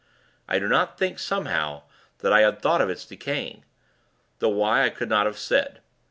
I do not think, somehow, that I had thought of its decaying. Though, why, I could not have said.